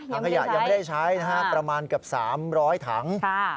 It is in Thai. ถังขยะยังไม่ได้ใช้นะฮะประมาณเกือบ๓๐๐ถัง